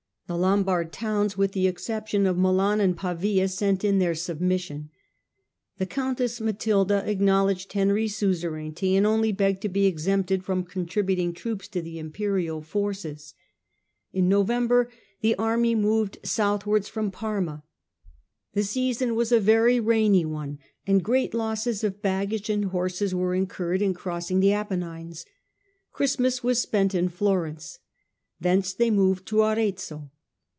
The Lombard towns, with the exception of His progress ^^^^^^^ Pavia, scut in their submission. £>mbSdy ^® countess Matilda acknowledged Henry's and Tuscany suzerainty, and only begged to be exempted from contributing troops to the imperial forces. In November the army moved southwards from Parma. The season was a very rainy one, and great losses of baggage and horses were incurred in crossing the Apennines. ' Christmas was spent in Florence. Thence they moved to Arezzo.